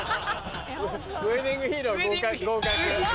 ウエディングヒーロー合格。